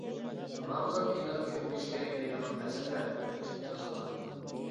رامىزان ئېيىدا كۆپ يېيىش كېرەك دەيدىغان پەلسەپە تۈپتىن خاتا.